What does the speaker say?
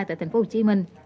tại thành phố hồ chí minh